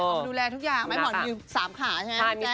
ดูแลทุกอย่างไม้หมอนมี๓ขาใช่ไหม